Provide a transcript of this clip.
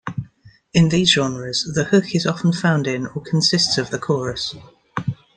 In these genres, the hook is often found in, or consists of, the chorus.